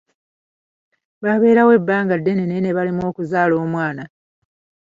Babeerawo ebbanga ddene naye ne balemwa okuzaala omwana.